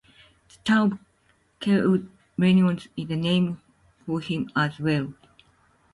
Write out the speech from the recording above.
The town of Kirkwood, Illinois is named for him as well.